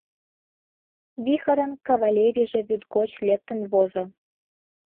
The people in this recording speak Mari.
Вихорын кавалерийже вӱд гоч лектын возо.